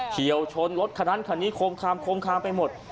เฉียวชนรถขนั้นคนี้โคมคามไปหมด